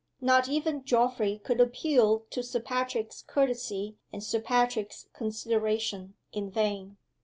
Not even Geoffrey could appeal to Sir Patrick's courtesy and Sir Patrick's consideration in vain.